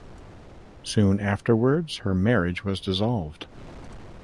Soon afterwards her marriage was dissolved.